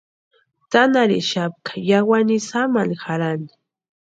Tsanharhixapka yáwani ísï jámani jarhani.